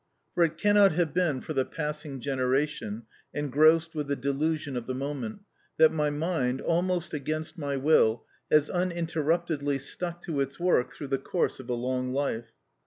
For it cannot have been for the passing generation, engrossed with the delusion of the moment, that my mind, almost against my will, has uninterruptedly stuck to its work through the course of a long life.